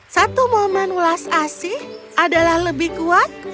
satu momen ulas asih adalah lebih kuat